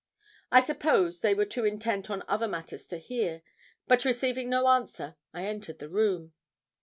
I suppose they were too intent on other matters to hear, but receiving no answer, I entered the room.